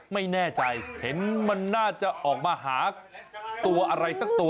ไม่แน่ใจเห็นมันน่าจะออกมาหาตัวอะไรสักตัว